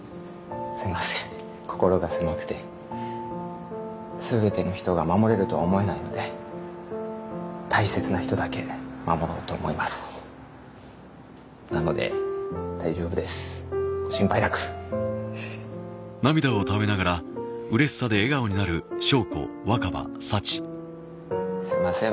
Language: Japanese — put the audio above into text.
すいません心が狭くて全ての人が守れるとは思えないので大切な人だけ守ろうと思いますなので大丈夫ですご心配なくすいません